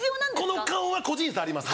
この顔は個人差あります。